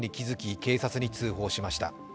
警察に通報しました。